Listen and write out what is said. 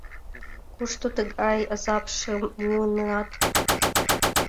— Кушто тыгай азапшым муынат?